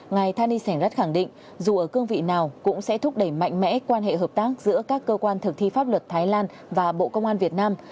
ngài thani sẻng rat khẳng định dù ở cương vị nào cũng sẽ thúc đẩy mạnh mẽ quan hệ hợp tác giữa các cơ quan thực thi pháp luật thái lan và bộ công an việt nam